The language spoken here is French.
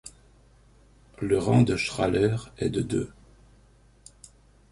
Le rang de Strahler est de deux.